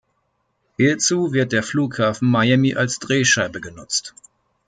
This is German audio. Hierzu wird der Flughafen Miami als Drehscheibe genutzt.